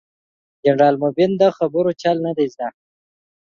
جنرال مبين ده خبرو چل نه دې زده.